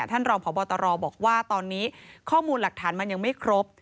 ท่านรองพบตรบอกว่าตอนนี้ข้อมูลหลักฐานมันยังไม่ครบ